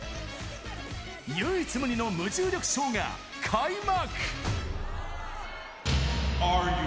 唯一無二の無重力ショーが開幕。